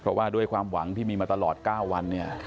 เพราะว่าด้วยความหวังที่มีมาตลอด๙วันเนี่ย